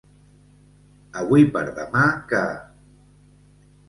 Avui per demà que.